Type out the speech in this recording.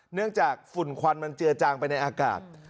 เนื่องจากฝุ่นควันมันเจือจางไปในอากาศ